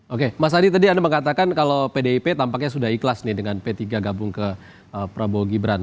oke mas adi tadi anda mengatakan kalau pdip tampaknya sudah ikhlas nih dengan p tiga gabung ke prabowo gibran